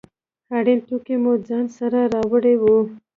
اړین توکي مو ځان سره راوړي وي.